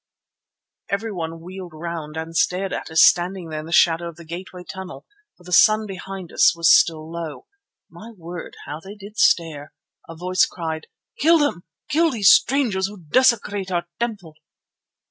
Everyone wheeled round and stared at us standing there in the shadow of the gateway tunnel, for the sun behind us was still low. My word, how they did stare! A voice cried: "Kill them! Kill these strangers who desecrate our temple."